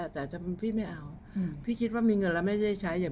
แต่เป็นภารกิจอะไร